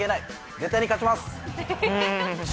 絶対に勝ちます。